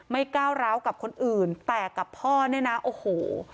ก้าวร้าวกับคนอื่นแต่กับพ่อเนี่ยนะโอ้โห